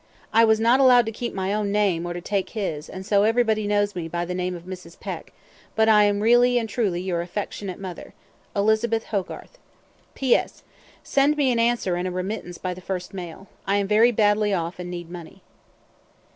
I was not allowed to keep my own name or to take his, and so everybody knows me by the name of Mrs. Peck, but I am really and truly your afexionate mother. "Elizabeth Hogarth." "P.S. Send me an answer and a remittance by the first mail. I am very badly off and need money."